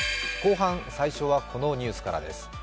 後半最初はこのニュースからです。